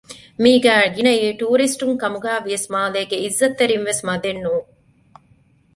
މީގައި ގިނައީ ޓޫރިސްޓުން ކަމުގައި ވިޔަސް މާލޭގެ އިއްޒަތްތެރިންވެސް މަދެއް ނޫން